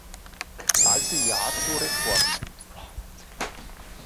Also ja zu Reformen!